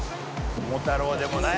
金太郎でもない。